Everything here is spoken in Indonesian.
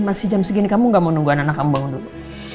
masih jam segini kamu gak mau nunggu anak ambang dulu